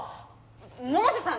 百瀬さん